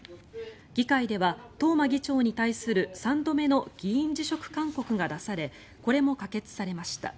議会では東間議長に対する３度目の議員辞職勧告が出されこれも可決されました。